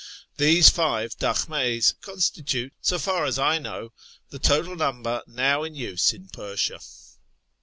These five dakhmds constitute, so far as I know, the total number now in use in Persia.